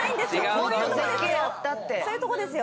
もっとそういうとこですよ。